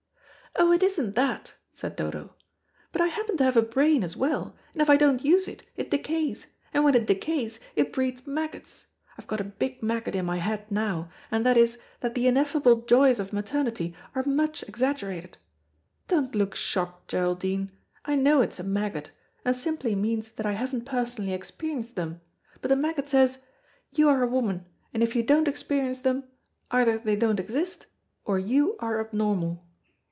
"Oh, it isn't that," said Dodo, "but I happen to have a brain as well, and if I don't use it, it decays, and when it decays, it breeds maggots. I've got a big maggot in my head now, and that is, that the ineffable joys of maternity are much exaggerated. Don't look shocked, Geraldine. I know it's a maggot, and simply means that I haven't personally experienced them, but the maggot says, 'You are a woman, and if you don't experience them, either they don't exist, or you are abnormal.'